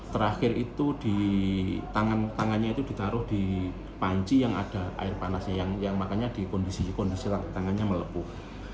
terakhir itu tangannya ditaruh di panci yang ada air panasnya makanya kondisi tangannya melepuh